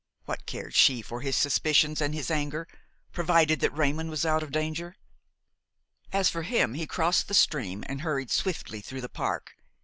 What cared she for his suspicions and his anger, provided that Raymon was out of danger? As for him he crossed the stream and hurried swiftly through the park.